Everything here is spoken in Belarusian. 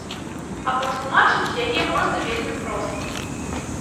А патлумачыць яе можна вельмі проста.